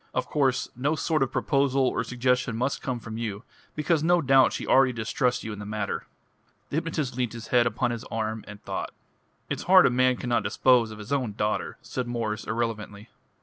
Of course no sort of proposal or suggestion must come from you because no doubt she already distrusts you in the matter." The hypnotist leant his head upon his arm and thought. "It's hard a man cannot dispose of his own daughter," said Mwres irrelevantly.